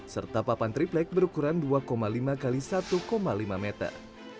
serta papan triplek berukuran dua lima x satu lima meter